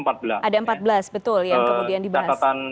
ada empat belas betul yang kemudian dibahas